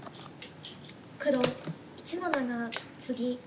黒１の七ツギ。